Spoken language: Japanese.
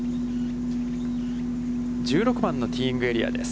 １５番のティーイングエリアです。